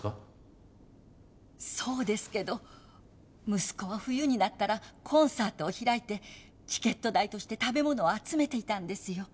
そうですけど息子は冬になったらコンサートを開いてチケット代として食べ物を集めていたんですよ。